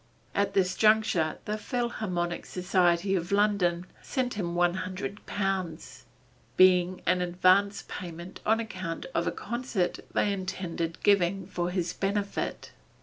At this juncture the Philharmonic Society of London sent him one hundred pounds, being an advance payment on account of a concert they intended giving for his benefit.